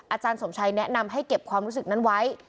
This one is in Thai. อาจารย์สมชัยแนะนำให้เก็บความรู้สึกนั้นไว้